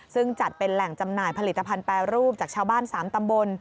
ซึ่งจัดเป็นแหล่งจำหน่ายผลิตภัณฑ์แปรรูปจากชาวบ้าน๓ตำบล